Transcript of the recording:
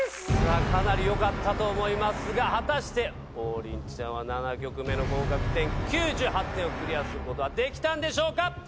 かなりよかったと思いますが果たして王林ちゃんは７曲目の合格点９８点をクリアすることはできたんでしょうか？